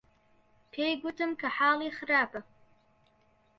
پێی گوتم کە حاڵی خراپە.